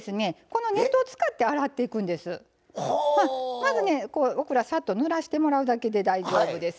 まずねオクラをさっとぬらしてもらうだけで大丈夫です。